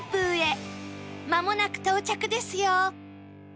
まもなく到着ですよ